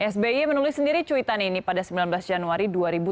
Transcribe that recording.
sby menulis sendiri cuitan ini pada sembilan belas januari dua ribu dua puluh